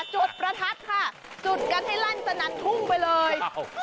จุดประทัดค่ะจุดกันให้ลั่นสนั่นทุ่งไปเลย